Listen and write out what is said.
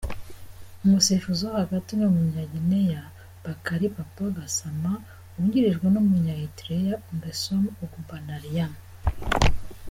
Umusifuzi wo hagati ni Umunyagineya, Bakary Papa Gassama, wungirijwe n’umunya Eirthrea Angesom Ogbamariam.